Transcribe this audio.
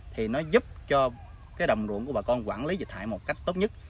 thì nó giúp cho cái đồng ruộng của bà con quản lý dịch hại một cách tốt nhất